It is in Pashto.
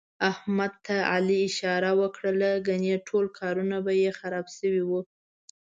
احمد ته علي اشاره ور کړله، ګني ټول کارونه به یې خراب شوي وو.